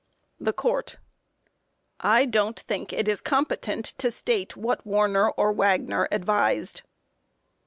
THE COURT: I don't think it is competent to state what Warner or Wagner advised.